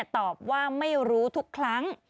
ตอบว่าไม่รู้ทุกครั้ง